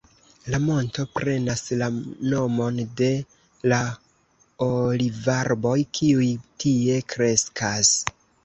La monto prenas la nomon de la olivarboj kiuj tie kreskas.